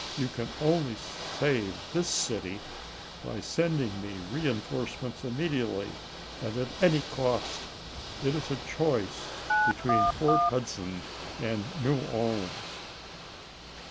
you can on^y save tlris city by sending me volxxvl, reinforcements immediately and at any cost. It is F&ll" a choice between Port Hudson and New Orleans."